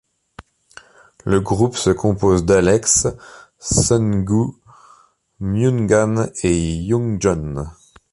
Le groupe se compose d'Alex, Sunggu, Myunghan et Youngjun.